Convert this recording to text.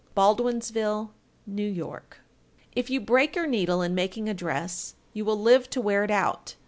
Baldwinsville, N.Y. 1388. If you break your needle in making a dress, you will live to wear it out.